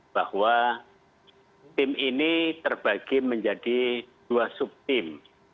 bahwa tim ini terbagi menjadi dua subtim